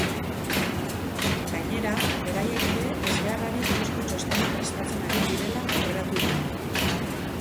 Gainera, beraiek ere ezbeharrari buruzko txostena prestatzen ari direla aurreratu du.